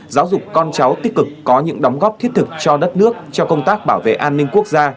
giáo dục con cháu tích cực có những đóng góp thiết thực cho đất nước cho công tác bảo vệ an ninh quốc gia